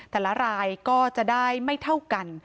แต่ละรายก็จะได้ไม่เท่ากัน